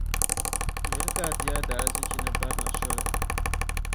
Miri ka a di a daarzichi ni barina soli.